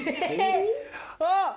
あっ。